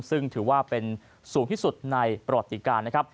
ซึ่งถือว่าเป็นสูงที่สุดในประวัติการนะครับ